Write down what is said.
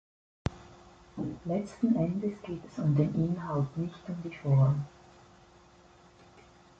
Letzten Endes geht es um den Inhalt, nicht um die Form.